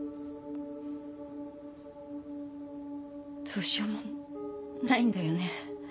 どうしようもないんだよね。